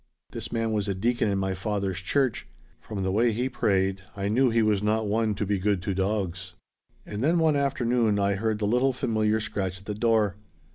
This man was a deacon in my father's church. From the way he prayed, I knew he was not one to be good to dogs. "And then one afternoon I heard the little familiar scratch at the door.